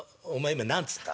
今何つった？」。